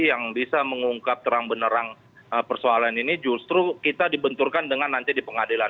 yang bisa mengungkap terang benerang persoalan ini justru kita dibenturkan dengan nanti di pengadilan